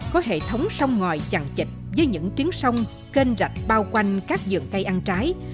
có hệ thống sông ngòi chẳng chịch với những tiếng sông kênh rạch bao quanh các dường cây ăn trái